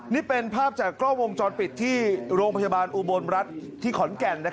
นี่เป็นภาพจากกล้องวงจรปิดที่โรงพยาบาลอุบลรัฐที่ขอนแก่น